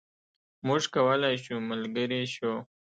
موږ کولای شو ملګري شو.